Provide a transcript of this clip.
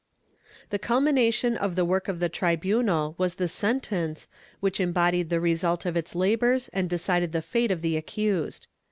^ The culmination of the work of the tribunal was the sentence which embodied the result of its labors and decided the fate of the accused.